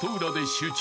集中。